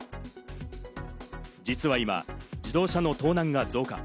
実は今、自動車の盗難が増加。